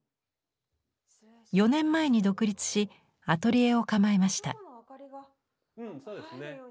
４年前に独立しアトリエを構えました。